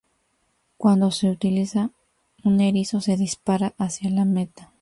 Cuando se utiliza, un erizo se dispara hacia la meta.